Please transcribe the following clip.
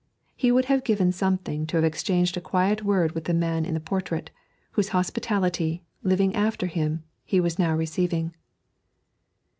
He would have given something to have exchanged a quiet word with the man in the portrait, whose hospitality, living after him, he was now receiving.